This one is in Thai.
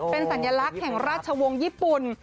เป็นสัญลักษณ์แห่งราชวงศ์ญี่ปุ่น